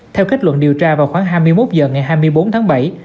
theo kết luận điều tra vào khoảng hai mươi một h ngày hai mươi bốn tháng bảy